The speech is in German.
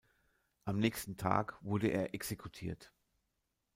Am nächsten Tag wurde er exekutiert.